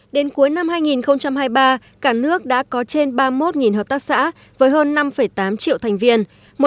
đến cuối năm hai nghìn hai mươi ba cả nước đã có trên ba mươi một hợp tác xã với hơn năm tám triệu thành viên